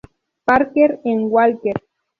Parker en Walker.